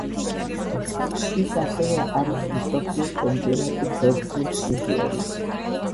ის ასევე არის მსოფლიო ჩემპიონატის ვერცხლის პრიზიორი.